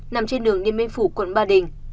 nằm trên đường niên minh phủ quận ba đình